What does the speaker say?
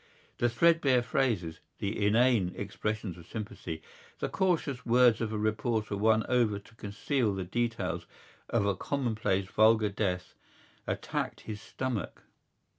The threadbare phrases, the inane expressions of sympathy, the cautious words of a reporter won over to conceal the details of a commonplace vulgar death attacked his stomach.